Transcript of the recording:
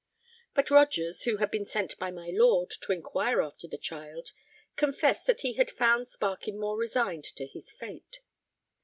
But Rogers, who had been sent by my lord to inquire after the child, confessed that he had found Sparkin more resigned to his fate.